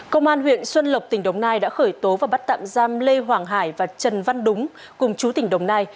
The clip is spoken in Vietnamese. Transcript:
công an huyện xuân lộc tỉnh đồng nai đã khởi tố và bắt tạm giam lê hoàng hải và trần văn đúng cùng chú tỉnh đồng nai